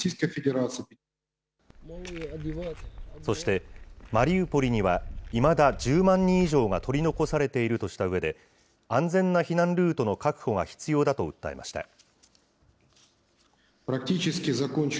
そして、マリウポリには、いまだ１０万人以上が取り残されているとしたうえで、安全な避難ルートの確保が必要だと訴えました。